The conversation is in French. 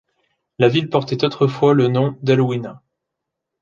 La ville portait autrefois le nom d'El-Ouina.